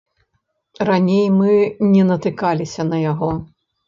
Раней мы не натыкаліся на яго.